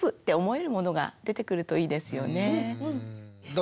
え⁉